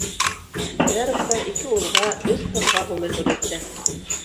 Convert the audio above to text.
Хәйҙәровтар ике улға, өс ҡыҙға ғүмер бүләк итә.